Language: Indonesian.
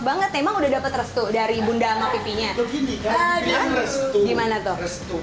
banget emang udah dapet restu dari bunda sama pipinya gimana tuh restu